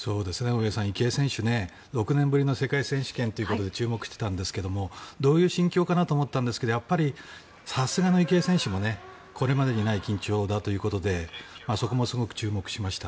池江選手、６年ぶりの世界選手権ということで注目していたんですがどういう心境かなと思ったんですがさすがの池江選手もこれまでにない緊張だということでそこもすごく注目しました。